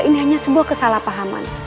ini hanya sebuah kesalahpahaman